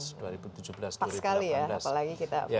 pak sekali ya apalagi kita fokus kita juga maritim